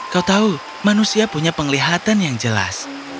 kau tahu manusia punya penglihatan yang jelas